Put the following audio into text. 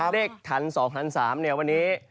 เลขฐาน๒ฐาน๓เนี่ยวันนี้